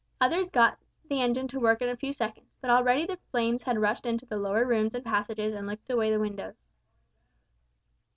Others got the engine to work in a few seconds, but already the flames had rushed into the lower rooms and passages and licked away the windows.